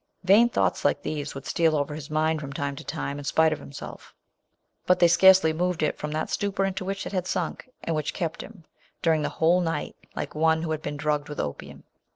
Vain thoughts like these would steal over his mind from time to time, in spite of himself; but they scarce ly moved it from that stupor into which it had sunk, and which kept him, during the whole night, like one who had been drugged with opium.